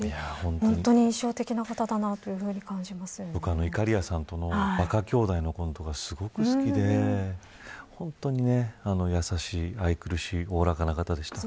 本当に印象的な方だなと僕は、いかりやさんとのばか兄弟のコントがすごく好きで本当にやさしい愛くるしいおおらかな方でした。